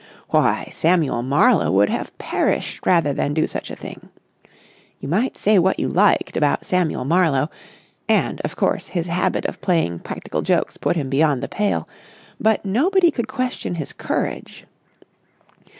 Why, Samuel Marlowe would have perished rather than do such a thing. You might say what you liked about Samuel Marlowe—and, of course, his habit of playing practical jokes put him beyond the pale—but nobody could question his courage.